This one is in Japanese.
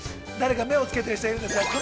誰か目をつけてる人はいるんですか。